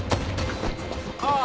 ああ。